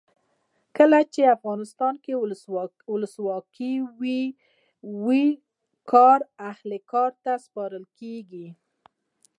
کله چې افغانستان کې ولسواکي وي کار اهل ته سپارل کیږي.